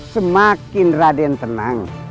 semakin raden tenang